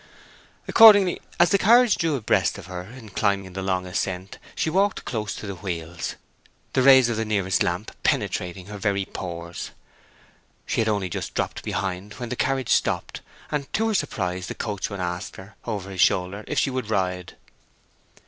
Accordingly, as the carriage drew abreast of her in climbing the long ascent, she walked close to the wheels, the rays of the nearest lamp penetrating her very pores. She had only just dropped behind when the carriage stopped, and to her surprise the coachman asked her, over his shoulder, if she would ride.